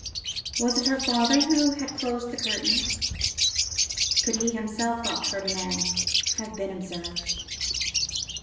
Was it her father who had closed the curtain? Could he himself, thought Ferdinand, have been observed?